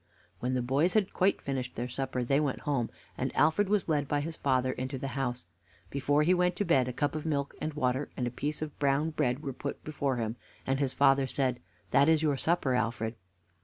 When the boys had quite finished their supper they went home, and Alfred was led by his father into the house. Before he went to bed, a cup of milk and water and a piece of brown bread were put before him, and his father said: "That is your supper, Alfred."